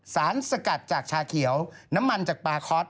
สารสกัดจากชาเขียวน้ำมันจากปลาคอส